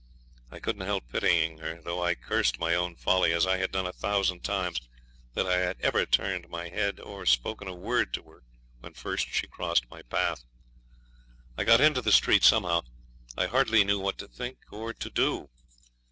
I couldn't help pitying her, though I cursed my own folly, as I had done a thousand times, that I had ever turned my head or spoken a word to her when first she crossed my path. I got into the street somehow; I hardly knew what to think or to do.